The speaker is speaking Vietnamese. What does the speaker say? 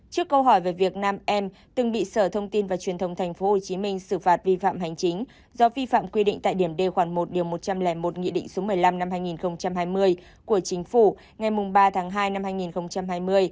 trước câu hỏi về việc nam em từng bị sở thông tin và truyền thông tp hcm xử phạt vi phạm hành chính do vi phạm quy định tại điểm d khoản một điều một trăm linh một nghị định số một mươi năm năm hai nghìn hai mươi của chính phủ ngày ba tháng hai năm hai nghìn hai mươi